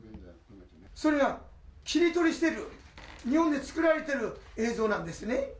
それは切り取りしている、日本で作られてる映像なんですね。